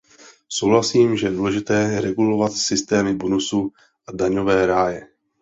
Souhlasím, že je důležité regulovat systémy bonusů a daňové ráje.